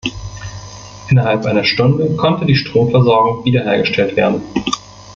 Innerhalb einer Stunde konnte die Stromversorgung wiederhergestellt werden.